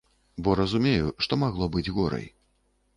Бо разумею, што магло быць горай.